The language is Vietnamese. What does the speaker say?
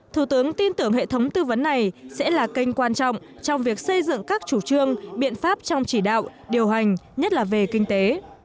thủ tướng tin tưởng hệ thống tư vấn này sẽ là kênh quan trọng trong việc xây dựng các chủ trương biện pháp trong chỉ đạo điều hành nhất là về kinh tế